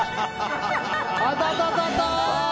あたたたた。